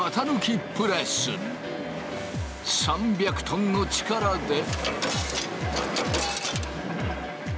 ３００トンの力で。